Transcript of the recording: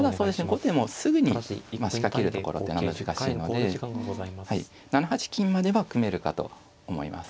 後手もすぐに仕掛けるところっていうのは難しいので７八金までは組めるかと思います。